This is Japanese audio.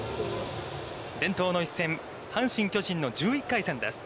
伝統の一戦、阪神、巨人の１１回戦です。